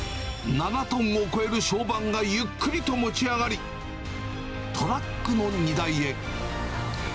７トンを超える床版がゆっくりと持ち上がり、トラックの荷台へ。